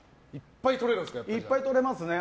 いっぱいとれますね。